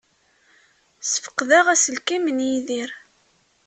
Sfeqdeɣ aselkim n Yidir.